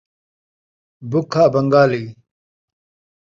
بکھا Bengali